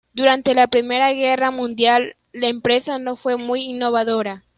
Durante la Primera Guerra Mundial, la empresa no fue muy innovadora.